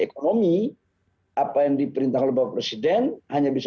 ekonomi apa yang diperintahkan oleh bkpm itu adalah bahwa kita harus mengekspor bahan baku mentah